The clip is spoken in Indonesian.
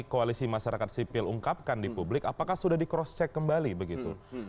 koalisi masyarakat sipil ungkapkan di publik apakah sudah di cross check kembali begitu